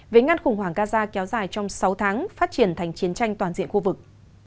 về ngăn khủng hoảng gaza kéo dài trong sáu tháng phát triển thành chiến tranh toàn diện khu vực